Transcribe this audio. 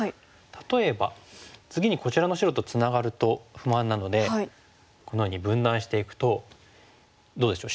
例えば次にこちらの白とツナがると不満なのでこのように分断していくとどうでしょう。